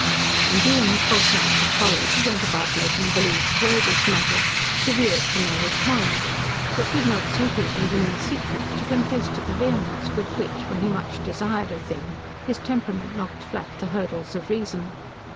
And during the fortnight that followed he went about making believe to weigh this matter, to view it from every coign; for it did not suit him, even in secret, to confess to the vehemence with which, when he much desired a thing, his temperament knocked flat the hurdles of reason.